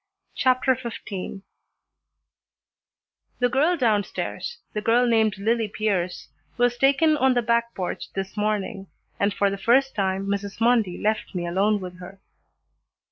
CHAPTER XV The girl down stairs, the girl named Lillie Pierce, was taken on the back porch this morning, and for the first time Mrs. Mundy left me alone with her.